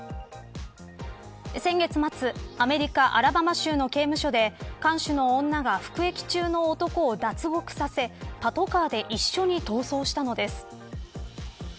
先月末、アメリカアラバマ州の刑務所で看守の女が服役中の男を脱獄させパトカーで一緒に逃走したのです。